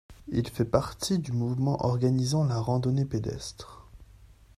Il fait partie du mouvement organisant la randonnée pédestre.